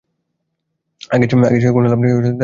আগে এসে কোনো লাভ নাই, তারিফ করার মতো কেউ নাই।